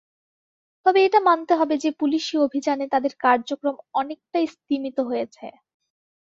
তবে এটা মানতে হবে যে পুলিশি অভিযানে তাদের কার্যক্রম অনেকটাই স্তিমিত হয়েছে।